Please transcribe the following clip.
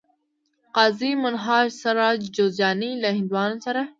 قاضي منهاج سراج جوزجاني له هندوانو سره